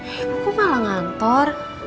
ibu kok malah ngantor